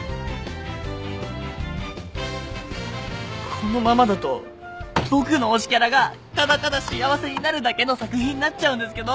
このままだと僕の推しキャラがただただ幸せになるだけの作品になっちゃうんですけど！